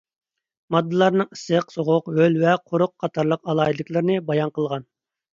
ماددىلارنىڭ ئىسسىق، سوغۇق، ھۆل ۋە قۇرۇق قاتارلىق ئالاھىدىلىكلىرىنى بايان قىلغان.